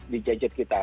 di gadget kita